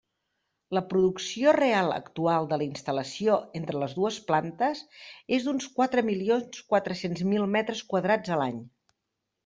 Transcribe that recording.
La producció real actual de la instal·lació entre les dues plantes és d'uns quatre milions quatre-cents mil metres quadrats a l'any.